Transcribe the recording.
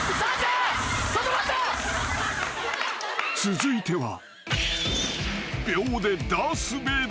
［続いては］